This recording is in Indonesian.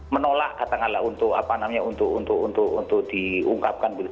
menolak katakanlah untuk apa namanya untuk diungkapkan